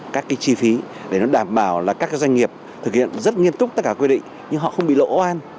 các cái chi phí để nó đảm bảo là các doanh nghiệp thực hiện rất nghiêm túc tất cả quy định nhưng họ không bị lỗ oan